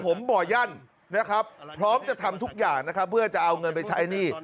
ผมบ่อยั่นนะครับพร้อมจะทำทุกอย่างนะครับเพื่อจะเอาเงินไปใช้หนี้